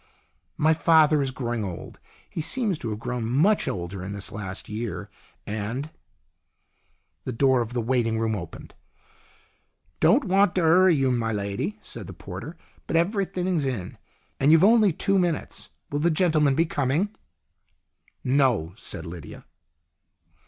" My father is growing old. He seems to have grown much older in this last year, and " The door of the waiting room opened. " Don't want to 'urry you, my lady," said the porter. " But everything's in, and you've only two minutes. Will the gentleman be coming ?"" No," said Lydia.